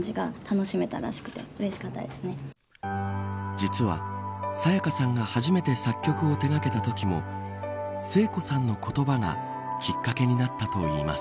実は沙也加さんが初めて作曲を手掛けたときも聖子さんの言葉がきっかけになったといいます。